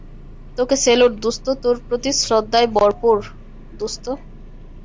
তোকে স্যালুট, দোস্ত - তোর প্রতি শ্রদ্ধায় ভরপুর, দোস্ত।